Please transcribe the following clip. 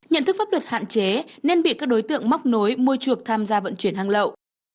nhận thức pháp luật hạn chế nên bị các đối tượng móc nối mua chuộc tham gia vận chuyển hàng lậu